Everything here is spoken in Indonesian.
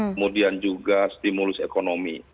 kemudian juga stimulus ekonomi